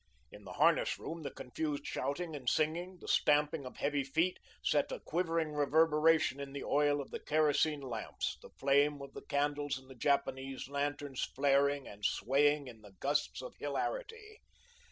In the harness room the confused shouting and singing, the stamping of heavy feet, set a quivering reverberation in the oil of the kerosene lamps, the flame of the candles in the Japanese lanterns flaring and swaying in the gusts of hilarity.